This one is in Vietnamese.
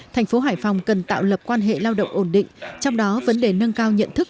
thành phố hải phòng cần tạo lập quan hệ lao động ổn định trong đó vấn đề nâng cao nhận thức